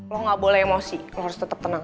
lo gak boleh emosi lo harus tetap tenang